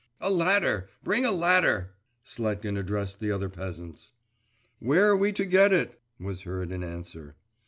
'A ladder! bring a ladder!' Sletkin addressed the other peasants. 'Where are we to get it?' was heard in answer.